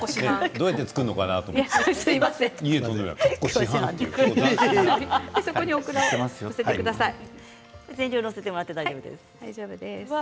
どうやって作るのかなと思って。